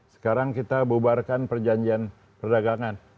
sekarang kita bubarkan perjanjian perdagangan